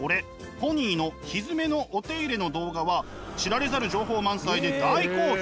「ポニーのひづめのお手入れ」の動画は知られざる情報満載で大好評。